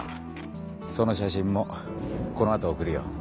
その写真もこのあと送るよ。